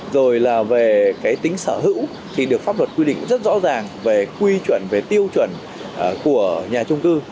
rồi là về cái tính sở hữu thì được pháp luật quy định rất rõ ràng về quy chuẩn về tiêu chuẩn của nhà trung cư